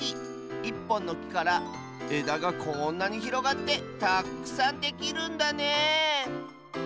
１ぽんのきからえだがこんなにひろがってたくさんできるんだね